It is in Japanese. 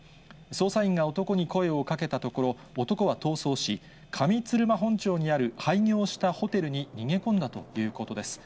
捜査員が男に声をかけたところ、男は逃走し、上鶴間本町にある廃業したホテルに逃げ込んだということです。